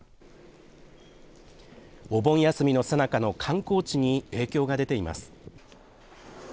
お盆休みのさなかの観光地に影響が出ています。